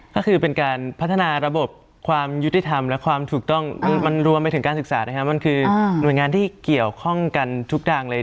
ก็คือเป็นการพัฒนาระบบความยุติธรรมและความถูกต้องมันรวมไปถึงการศึกษานะครับมันคือหน่วยงานที่เกี่ยวข้องกันทุกทางเลย